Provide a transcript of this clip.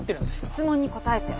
質問に答えて。